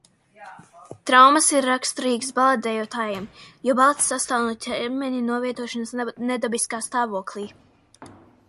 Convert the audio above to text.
Traumas ir raksturīgas baletdejotājiem, jo balets sastāv no ķermeņa novietošanas nedabiskā stāvoklī.